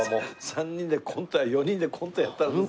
３人でコント４人でコントやったらどうですか？